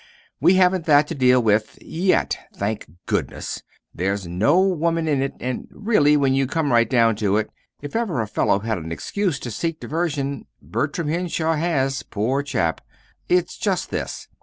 We haven't that to deal with yet, thank goodness! There's no woman in it. And, really, when you come right down to it, if ever a fellow had an excuse to seek diversion, Bertram Henshaw has poor chap! It's just this.